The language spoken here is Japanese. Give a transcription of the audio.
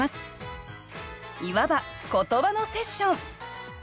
いわば言葉のセッション。